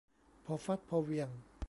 พอฟัดพอเหวี่ยง